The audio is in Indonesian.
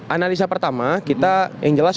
analisa pertama kita yang jelas